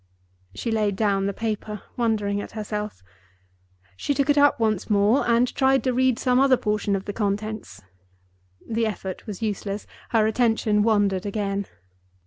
She laid down the paper, wondering at herself; she took it up once more, and tried to read some other portion of the contents. The effort was useless; her attention wandered again.